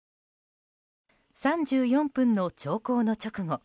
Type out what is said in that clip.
３４分の長考の直後